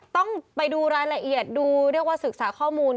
ต้องไปดูรายละเอียดดูเรียกว่าศึกษาข้อมูล